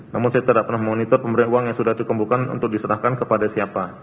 namun saya tidak pernah memonitor pemberian uang yang sudah dikembukan untuk diserahkan kepada siapa